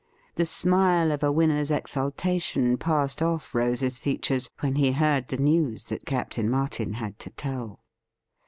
The smile of a winner's exultation passed off Rose's features when he heard the news that Captain Martin had to tell.